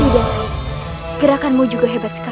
tidak gerakanmu juga hebat sekali